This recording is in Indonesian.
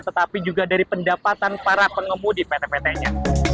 tetapi juga dari pendapatan para pengemudi pt pt nya